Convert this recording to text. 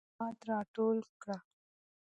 معلومات راټول کړه.